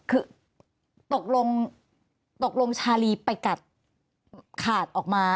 คือตกลงตกลงชาลีไปกัดขาดออกมา